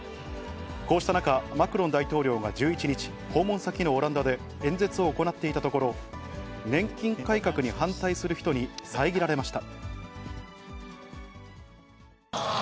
こうした中、マクロン大統領が１１日、訪問先のオランダで、演説を行っていたところ、年金改革に反対する人に遮られました。